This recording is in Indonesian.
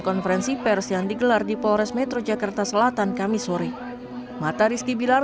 konferensi pers yang digelar di polres metro jakarta selatan kamis sore mata rizki bilar